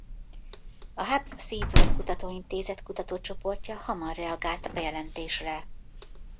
A Hubbs-SeaWorld Kutatóintézet kutatócsoportja hamar reagált a bejelentésre.